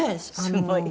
すごい。